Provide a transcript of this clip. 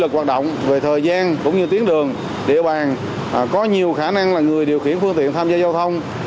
trong thời gian cũng như tiến đường địa bàn có nhiều khả năng là người điều khiển phương tiện tham gia giao thông